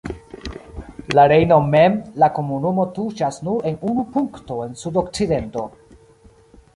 La Rejnon mem, la komunumo tuŝas nur en unu punkto en sudokcidento.